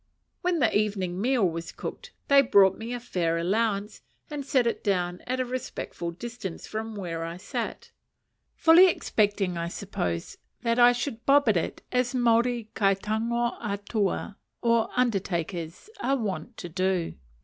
When the evening meal was cooked, they brought me a fair allowance, and set it down at a respectful distance from where I sat; fully expecting, I suppose, that I should bob at it as Maori kai tango atua, or undertakers, are wont to do.